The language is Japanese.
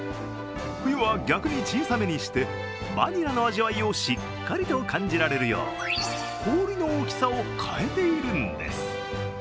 冬は逆に小さめにしてバニラの味わいをしっかりと感じられるよう氷の大きさを変えているんです。